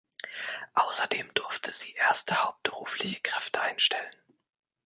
Außerdem durfte sie erste hauptberufliche Kräfte einstellen.